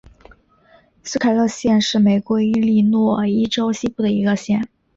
斯凯勒县是美国伊利诺伊州西部的一个县。